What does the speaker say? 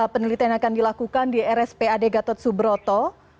penelitian yang akan dilakukan di rskd gatot subroto